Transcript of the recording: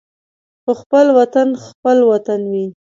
خو خپل وطن خپل وطن وي.